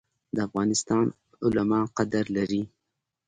د افغانستان علما قدر لري